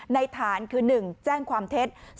ในฐานคือ๑แจ้งความเท็จ